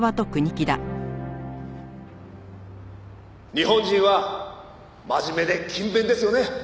「日本人は真面目で勤勉ですよね」